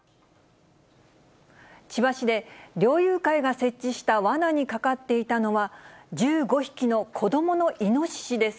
千葉市で猟友会が設置したわなにかかっていたのは、１５匹の子どものイノシシです。